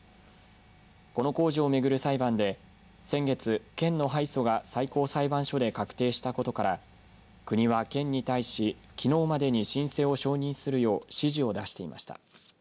この工事を巡る裁判で先月、県の敗訴が最高裁判所で確定したことから国は県に対しきのうまでに申請を承認するよう指示を出していました。